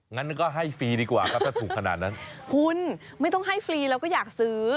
งั้นก็ให้ฟรีดีกว่าครับถ้าถูกขนาดนั้นคุณไม่ต้องให้ฟรีเราก็อยากซื้อ